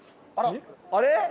あれ？